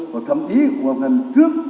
và thậm chí hoàn thành trước